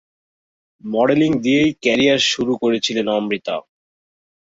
Modelling দিয়েই career শুরু করেছিলেন অমৃতা।